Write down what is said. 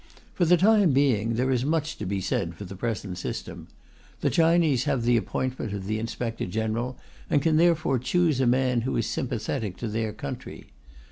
For the time being, there is much to be said for the present system. The Chinese have the appointment of the Inspector General, and can therefore choose a man who is sympathetic to their country.